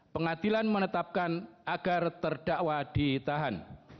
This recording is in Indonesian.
pengadilan menetapkan agar terdakwa ditahan